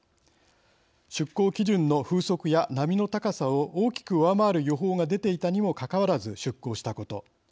出港基準の風速や波の高さを大きく上回る予報が出ていたにもかかわらず出港したこと。